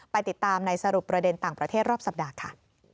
ไปติดตามในสรุปประเด็นต่างประเทศรอบสัปดาห์ค่ะ